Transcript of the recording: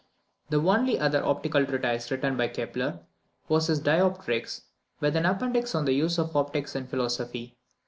The only other optical treatise written by Kepler, was his Dioptrics, with an appendix on the use of optics in philosophy.